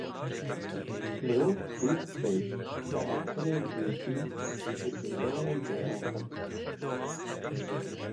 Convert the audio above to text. Mirov bûne du beş; biaqilên bê dîn û dîndarên bêaqil.